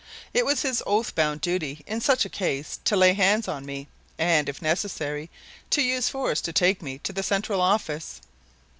It was his oath bound duty in such a case to lay hands on me and, if necessary, use force to take me to the central office.